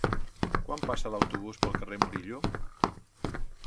Quan passa l'autobús pel carrer Murillo?